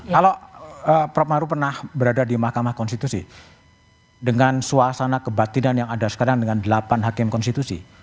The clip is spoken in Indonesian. kalau prof maru pernah berada di mahkamah konstitusi dengan suasana kebatinan yang ada sekarang dengan delapan hakim konstitusi